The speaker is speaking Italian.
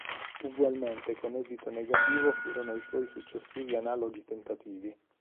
Ugualmente con esito negativo furono i suoi successivi analoghi tentativi.